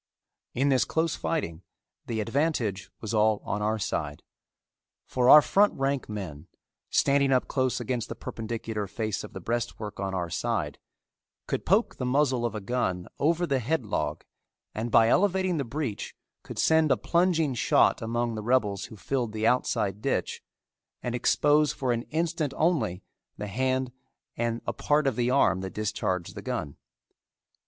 In this close fighting the advantage was all on our side, for our front rank men, standing up close against the perpendicular face of the breastwork on our side, could poke the muzzle of a gun over the headlog and by elevating the breech could send a plunging shot among the rebels who filled the outside ditch and expose for an instant only the hand and a part of the arm that discharged the gun.